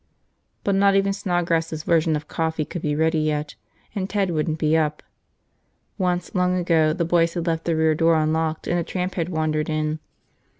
But not even Snodgrass' version of coffee could be ready yet. And Ted wouldn't be up. Once, long ago, the boys had left the rear door unlocked and a tramp had wandered in. Mr.